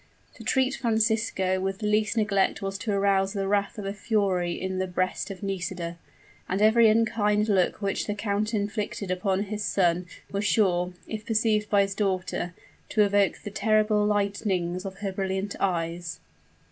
To treat Francisco with the least neglect was to arouse the wrath of a fury in the breast of Nisida; and every unkind look which the count inflicted upon his son was sure, if perceived by his daughter, to evoke the terrible lightnings of her brilliant eyes.